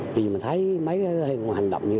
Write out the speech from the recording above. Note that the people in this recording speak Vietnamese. thì mình thấy mấy hành động như vậy